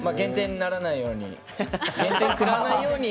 減点、食らわないように。